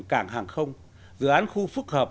cảng hàng không dự án khu phức hợp